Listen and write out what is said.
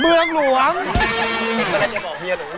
ไม่ได้บอกว่ามีและหนู